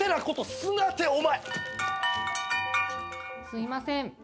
すいません。